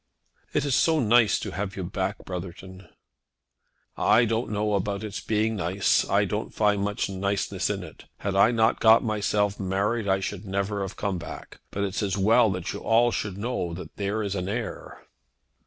"It is so nice to have you back, Brotherton." "I don't know about its being nice. I don't find much niceness in it. Had I not got myself married I should never have come back. But it's as well that you all should know that there is an heir."